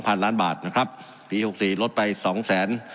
พันล้านบาทนะครับปีหกสี่ลดไปสองแสน